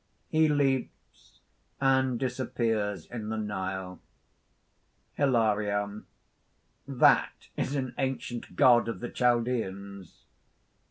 (He leaps and disappears in the Nile.) HILARION. "That is an ancient God of the Chaldæans!"